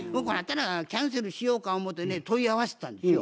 キャンセルしようか思うてね問い合わせたんですよ。